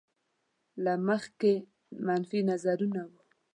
له مخکې منفي نظرونه.